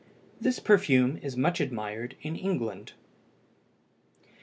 This perfume is much admired in England.